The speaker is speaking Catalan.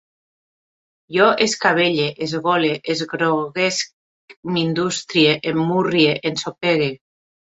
Jo escabelle, esgole, esgrogueïsc, m'industrie, emmurrie, ensopegue